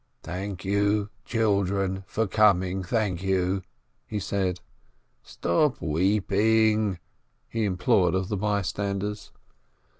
"Thank you — chilldren — for coming — thank you !" he said. "Stop — weeping !" he implored of the bystanders.